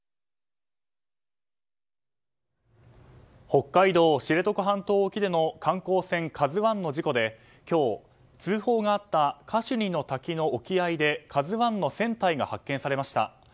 北海道知床沖での観光船「ＫＡＺＵ１」の事故で今日、通報があったカシュニの滝の沖合で「ＫＡＺＵ１」の船体が発見されました。